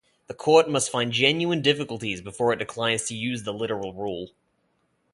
The court must find genuine difficulties before it declines to use the literal rule.